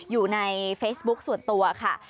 อยู่ในเฟซบุ๊คส่วนตัวค่ะ